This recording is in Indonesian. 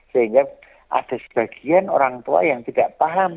sehingga ada sebagian orang tua yang tidak paham